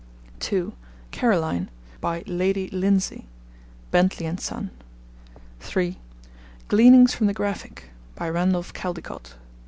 (2) Caroline. By Lady Lindsay. (Bentley and Son.) (3) Gleanings from the 'Graphic.' By Randolph Caldecott.